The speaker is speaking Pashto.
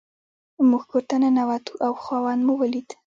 موږ کور ته ننوتو او خاوند مو ولید.